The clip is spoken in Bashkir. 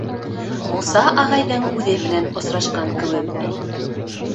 Муса ағайҙың үҙе менән осрашҡан кеүекмен.